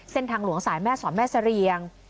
เส้นทางหลวงสายแม่สอนแม่เสรียง